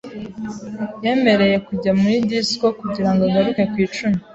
Yemerewe kujya muri disco kugira ngo agaruke ku icumi.